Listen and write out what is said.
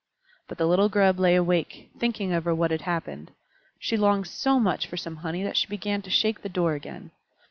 But the little Grub lay awake, thinking over what had happened. She longed so much for some honey that she began to shake the door again.